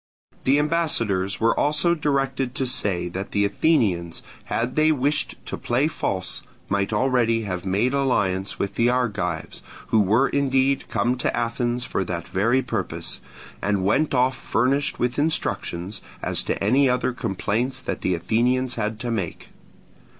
The ambassadors were also directed to say that the Athenians, had they wished to play false, might already have made alliance with the Argives, who were indeed come to Athens for that very purpose, and went off furnished with instructions as to any other complaints that the Athenians had to make.